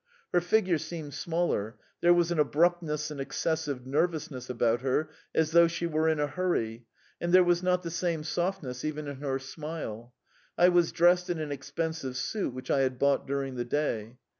Her figure seemed smaller; there was an abruptness and excessive nervousness about her as though she were in a hurry, and there was not the same softness even in her smile. I was dressed in an expensive suit which I had bought during the day.